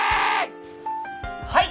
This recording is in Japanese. はい！